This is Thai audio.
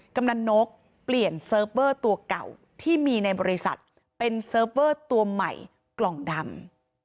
กำลังนกเปลี่ยนเซิร์ฟเวอร์ตัวเก่าที่มีในบริษัทเป็นเซิร์ฟเวอร์ตัวใหม่กล่องดำ